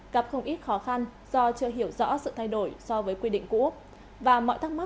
gặp không ít khó khăn do chưa hiểu rõ sự thay đổi so với quy định cũ và mọi thắc mắc